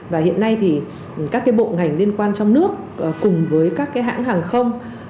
và hiện nay thì các cái bộ ngành liên quan trong nước cùng với các cái hãng hàng không